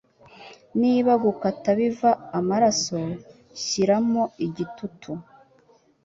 Niba gukata biva amaraso, shyiramo igitutu.